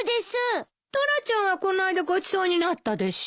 タラちゃんはこないだごちそうになったでしょ？